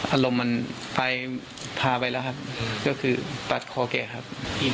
อารมณ์มันไปพาไปแล้วครับก็คือปัดคอแกครับ